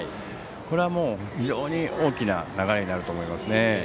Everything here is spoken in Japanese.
これは非常に大きな流れになると思いますね。